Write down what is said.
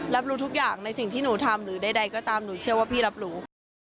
รับรู้ทุกอย่างในสิ่งที่หนูทำหรือใดก็ตามหนูเชื่อว่าพี่รับรู้